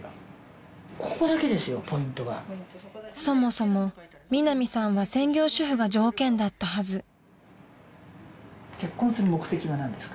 ［そもそもミナミさんは専業主婦が条件だったはず］